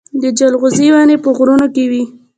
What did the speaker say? د جلغوزي ونې په غرونو کې وي